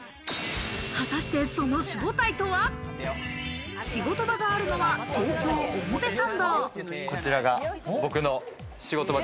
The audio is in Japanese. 果たして、その正体とは？仕事場があるのは東京・表参道。